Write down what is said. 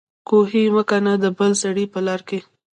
کوهي مه کينه دبل سړي په لار کي